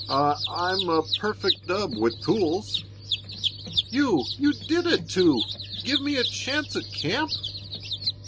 I I'm a perfect dub with tools." "You you did it to give me a chance at camp."